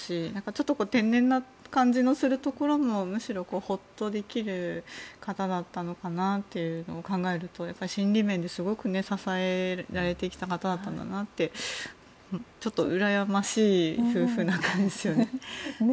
ちょっと天然な感じがするところもむしろほっとできる方だったのかなというのを考えるとやっぱり心理面ですごく支えられてきた方だったんだなとうらやましい夫婦ですね。